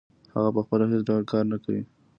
هغه پخپله هېڅ ډول کار نه کوي